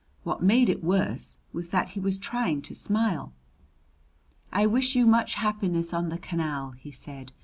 What made it worse was that he was trying to smile. "I wish you much happiness on the canal," he said.